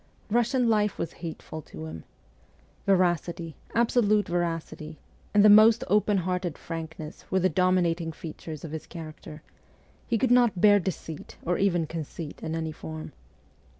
Russian life was hateful to him. Veracity absolute veracity and the most open hearted frankness were the dominating features of his character ; he could not bear deceit or even conceit in any form.